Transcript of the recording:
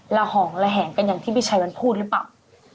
ห่องระแหงกันอย่างที่พี่ชัยวันพูดหรือเปล่า